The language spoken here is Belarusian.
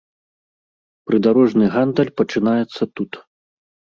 Прыдарожны гандаль пачынаецца тут.